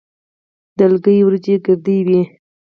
د لکۍ وریجې ګردې وي.